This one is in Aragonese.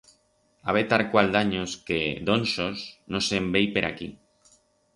Habe tarcual d'anyos que, d'onsos, no se'n vei per aquí.